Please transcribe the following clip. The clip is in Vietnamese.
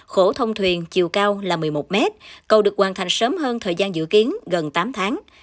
khổ thông thuyền chiều cao là một mươi một m cầu được hoàn thành sớm hơn thời gian dự kiến gần tám tháng